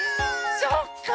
そっか。